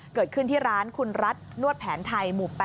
เกิดขึ้นที่ร้านคุณรัฐนวดแผนไทยหมู่๘